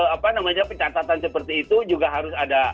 apa namanya pencatatan seperti itu juga harus ada